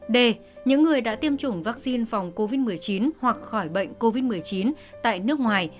d những người đã tiêm chủng vaccine phòng covid một mươi chín hoặc khỏi bệnh covid một mươi chín tại nước ngoài